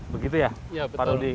begitu ya pak rudi